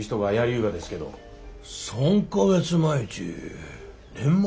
３か月前ち年末？